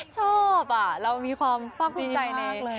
ชอบอ่ะเรามีความป้อมทุกใจในตัวเอง